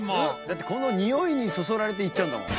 だってこのにおいにそそられて行っちゃうんだもん。